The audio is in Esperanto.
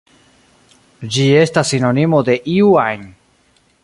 Ĝi estas sinonimo de "iu ajn".